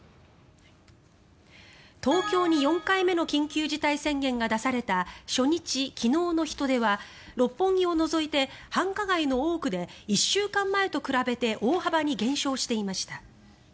東京に４回目の緊急事態宣言が出された初日昨日の人出は六本木を除いて繁華街の多くで１週間前と比べて大幅に減少していました。